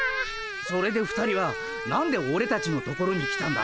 それで２人は何でオレたちのところに来たんだ？